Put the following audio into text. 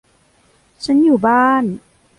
ฉันอยู่บ้าน